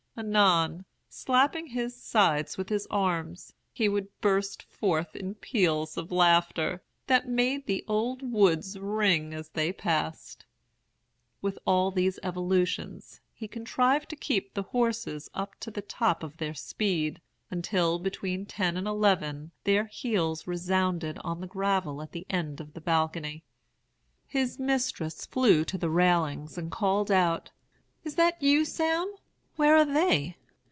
Anon, slapping his sides with his arms, he would burst forth in peals of laughter, that made the old woods ring as they passed. With all these evolutions, he contrived to keep the horses up to the top of their speed, until, between ten and eleven, their heels resounded on the gravel at the end of the balcony. "His mistress flew to the railings, and called out, 'Is that you, Sam? Where are they?'